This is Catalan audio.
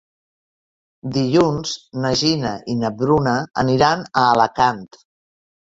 Dilluns na Gina i na Bruna aniran a Alacant.